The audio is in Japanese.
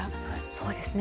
そうですね。